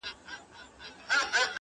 سیلۍ نامردي ورانوي آباد کورونه!